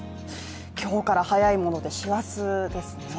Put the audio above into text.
今日から早いもので師走ですね。